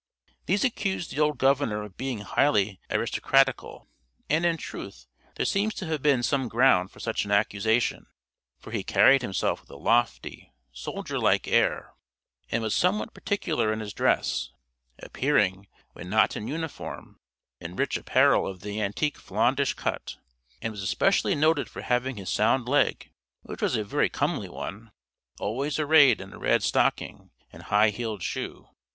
These accused the old governor of being highly aristocratical, and in truth there seems to have been some ground for such an accusation, for he carried himself with a lofty, soldier like air, and was somewhat particular in his dress, appearing, when not in uniform, in rich apparel of the antique flaundish cut, and was especially noted for having his sound leg, which was a very comely one, always arrayed in a red stocking and high heeled shoe.